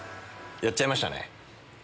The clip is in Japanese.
やっちゃいましたね。